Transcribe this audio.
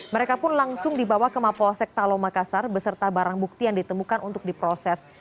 mereka pun langsung dibawa ke mapol sekta lo makassar beserta barang bukti yang ditemukan untuk diproses